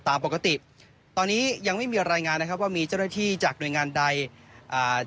ตามปกติตอนนี้ยังไม่มีรายงานนะครับว่ามีเจ้าหน้าที่จากหน่วยงานใดอ่า